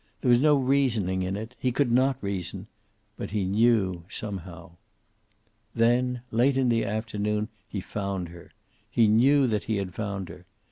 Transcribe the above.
There was no reasoning in it. He could not reason. But he knew, somehow. Then, late in the afternoon, he found her. He knew that he had found her.